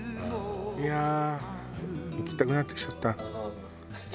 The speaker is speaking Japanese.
いやあ行きたくなってきちゃった。